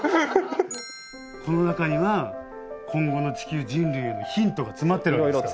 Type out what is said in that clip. この中には今後の地球人類へのヒントが詰まっているわけですから。